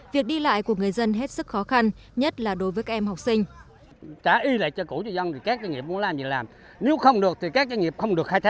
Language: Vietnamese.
việc đi lại của người dân hết sức khó khăn nhất là đối với các em học sinh